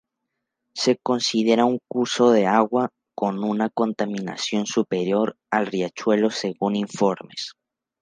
Se considera un curso de agua con una contaminación superior al Riachuelo según informes.